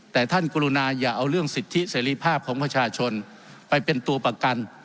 แต่ท่านกรุณาอย่าเอาเรื่องสิทธิเสรีภาพของประชาชนไปเป็นตัวประกัน